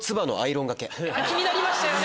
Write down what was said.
気になりましたよね。